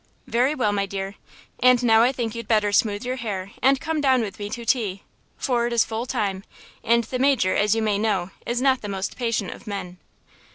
"Very well, my dear; and now I think you'd better smooth your hair and come down with me to tea, for it is full time, and the major, as you may know, is not the most patient of men."